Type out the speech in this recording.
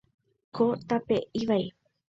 Ko tape ivai.